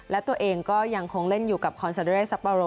และตัวเองก็ยังคงเล่นอยู่กับคอนซาเดสซัปโปโร